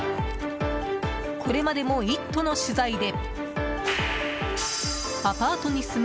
これまでも「イット！」の取材で。